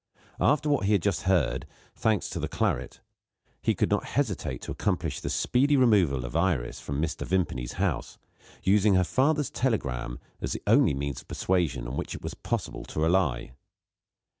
After what he had just heard thanks to the claret he could not hesitate to accomplish the speedy removal of Iris from Mr. Vimpany's house; using her father's telegram as the only means of persuasion on which it was possible to rely.